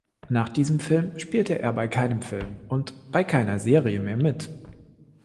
Nach diesem Film spielte er bei keinem Film und bei keiner Serie mehr mit.